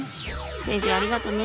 先生ありがとね。